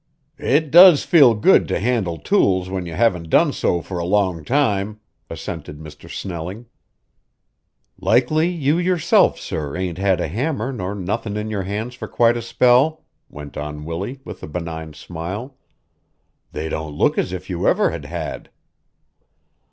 "It does feel good to handle tools when you haven't done so for a long time," assented Mr. Snelling. "Likely you yourself, sir, ain't had a hammer nor nothin' in your hands for quite a spell," went on Willie, with a benign smile. "They don't look as if you ever had had."